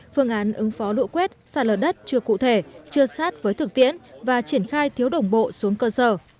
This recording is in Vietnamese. phương án ứng phó lũ quét sạt lở đất chưa cụ thể chưa sát với thực tiễn và triển khai thiếu đồng bộ xuống cơ sở